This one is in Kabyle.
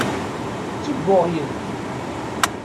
D tibbuɣyelt.